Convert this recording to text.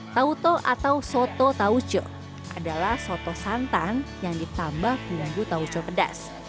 tauco atau soto tauco adalah soto santan yang ditambah bumbu tauco pedas